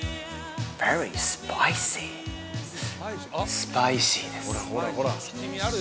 スパイシーです